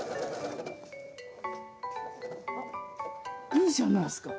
いいじゃないですか！